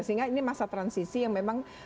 sehingga ini masa transisi yang memang